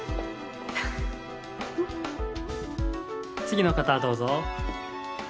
次の方どうぞ。